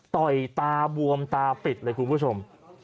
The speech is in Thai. ต่อยตาบวมตาปิดเลยคุณผู้ชม